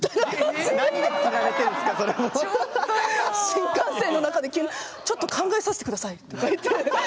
新幹線の中で急に「ちょっと考えさせてください」とか言って。